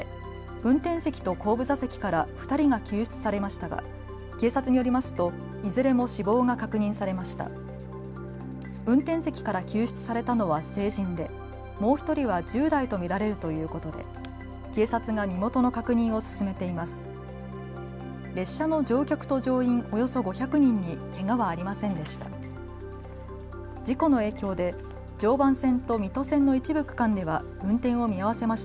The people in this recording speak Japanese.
運転席から救出されたのは成人でもう１人は１０代と見られるということで警察が身元の確認を進めています。